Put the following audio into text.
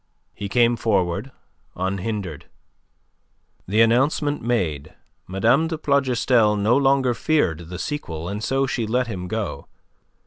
He came forward, unhindered. The announcement made, Mme. de Plougastel no longer feared the sequel, and so she let him go.